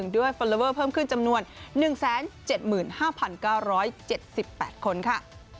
ฟอลลอเวอร์เพิ่มขึ้นจำนวน๑๗๕๙๗๘คนค่ะ